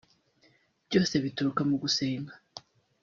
Byose bituruka mu gusenga